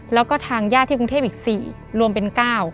แล้วก็ทางญาติที่กรุงเทพอีก๔รวมเป็น๙